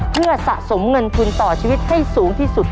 เพื่อสะสมเงินทุนต่อชีวิตให้สูงที่สุด